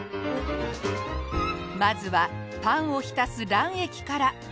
まずはパンを浸す卵液から。